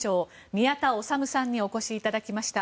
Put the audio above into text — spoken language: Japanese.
宮田律さんにお越しいただきました。